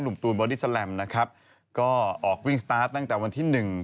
ตูนบอดี้แลมนะครับก็ออกวิ่งสตาร์ทตั้งแต่วันที่หนึ่ง